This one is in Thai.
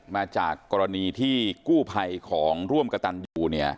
มาจากกรณีที่กู้ภัยของร่วมกระตันยู